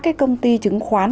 các công ty chứng khoán